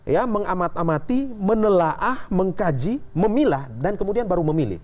ya mengamati amati menelaah mengkaji memilah dan kemudian baru memilih